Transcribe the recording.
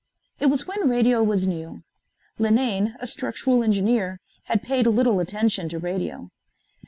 It was when radio was new. Linane, a structural engineer, had paid little attention to radio.